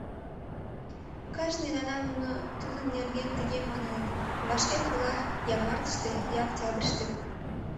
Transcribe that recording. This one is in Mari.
Кажне гана нуно тудын нерген тыге маныныт: вашке кола, я мартыште, я октябрьыште.